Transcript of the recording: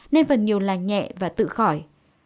nên phần nhiều là nhẹ và tự khỏi